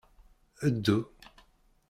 Ddu!